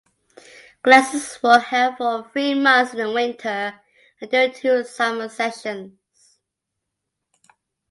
Classes were held for three months in the winter and during two summer sessions.